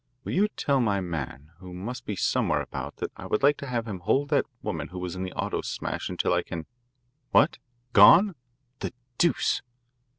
Will you tell my man, who must be somewhere about, that I would like to have him hold that woman who was in the auto smash until I can what? Gone? The deuce!"